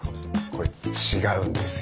これ違うんですよ。